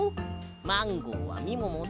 マンゴーはみももで。